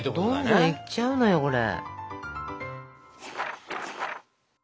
どんどんいっちゃうのよこれ。